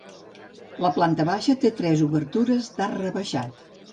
La planta baixa té tres obertures d'arc rebaixat.